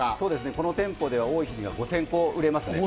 この店舗では多い日には５０００個売れますね。